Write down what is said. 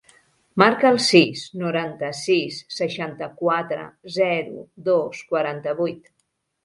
Marca el sis, noranta-sis, seixanta-quatre, zero, dos, quaranta-vuit.